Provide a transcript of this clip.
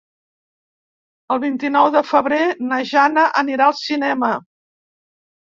El vint-i-nou de febrer na Jana anirà al cinema.